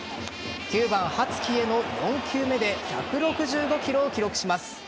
９番・羽月への４球目で１６５キロを記録します。